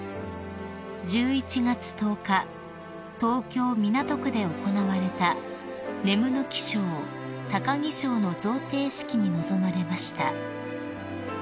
［１１月１０日東京港区で行われたねむの木賞・高木賞の贈呈式に臨まれました］